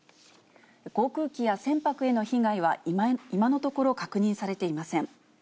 航空機や船舶への被害は今のところ確認されていません。